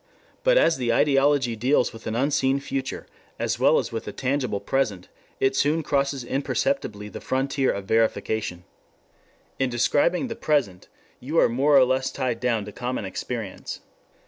But as the ideology deals with an unseen future, as well as with a tangible present, it soon crosses imperceptibly the frontier of verification. In describing the present you are more or less tied down to common experience.